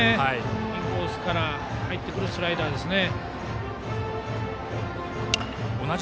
インコースから入ってくるスライダーですね。